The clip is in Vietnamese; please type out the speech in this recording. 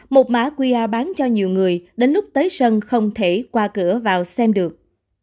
một mã qr bán cho nhiều người đến lúc tới sân không thể qua cửa vào xem được